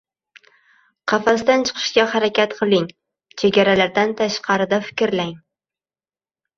Qafasdan chiqishga harakat qiling, chegaralardan tashqarida fikrlang